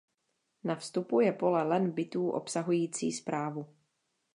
Na vstupu je pole "len" bitů obsahující zprávu.